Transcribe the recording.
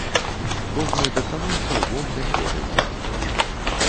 Кожны дакрануўся лбом да свежай зямлі.